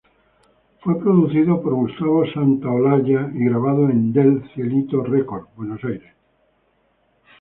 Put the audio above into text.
Fue producido por Gustavo Santaolalla y grabado en Del Cielito Records, Buenos Aires.